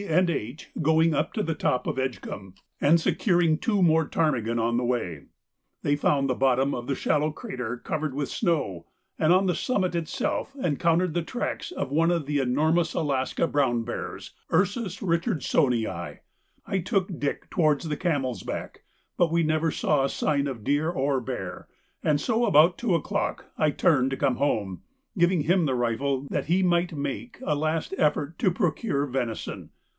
and H. going up to the top of Edgcumbe, and securing two more ptarmigan on the way. They found the bottom of the shallow crater covered with snow, and on the summit itself encountered the tracks of one of the enormous Alaska brown bears (Ursus Richardsonii). I took Dick towards the Camelsback, but we never saw a sign of deer or bear, and so about two o'clock I turned to come home, giving him the rifle that he might make a last effort to procure venison.